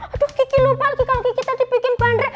aduh kiki lupa lagi kalo kiki tadi bikin bandrek